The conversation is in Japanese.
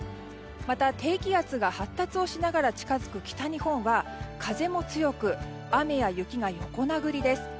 また低気圧が発達をしながら近づく北日本は風も強く、雨や雪が横殴りです。